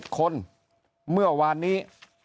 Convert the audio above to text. คนเมื่อวานนี้